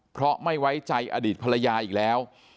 เพราะไม่ไว้ใจอดีตภรรยาอีกแล้ว